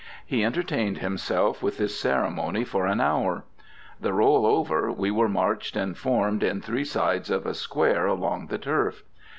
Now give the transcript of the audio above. He entertained himself with this ceremony for an hour. The roll over, we were marched and formed in three sides of a square along the turf.